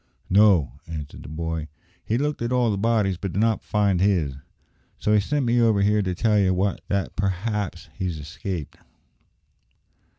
"No," answered the boy. "He looked at all the bodies, but did not find his; so he sent me over here to tell ye that p'r'aps he's escaped."